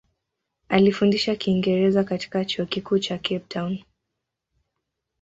Alifundisha Kiingereza katika Chuo Kikuu cha Cape Town.